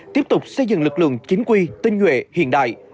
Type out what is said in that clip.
tiếp tục xây dựng lực lượng chính quy tinh nguyện hiện đại